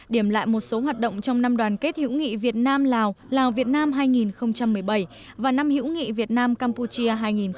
điểm lại một số hoạt động trong năm đoàn kết hữu nghị việt nam lào lào việt nam hai nghìn một mươi bảy và năm hữu nghị việt nam campuchia hai nghìn một mươi tám